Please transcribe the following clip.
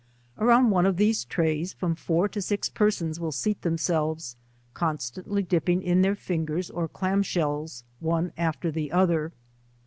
Around one of these trays, from four to six persons will seat themselves, constantly dipping in their fingers or clam shells^ Tl one after the other.